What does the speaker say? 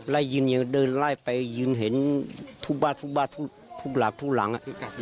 ได้ยินยังเดินไล่ไปยืนเห็นทุกบ้านทุกบ้านทุกหลักทุกหลัง